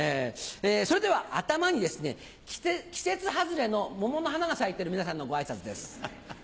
それでは頭に季節外れの桃の花が咲いてる皆さんのご挨拶です。